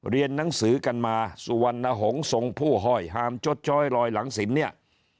เรียนหนังสือกันมาสุวรรณหงษ์ทรงผู้ห้อยฮามชดช้อยลอยหลังสินเนี่ย